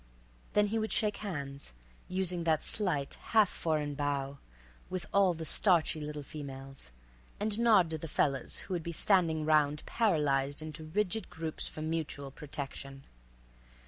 Then he would shake hands, using that slight, half foreign bow, with all the starchy little females, and nod to the fellas who would be standing 'round, paralyzed into rigid groups for mutual protection.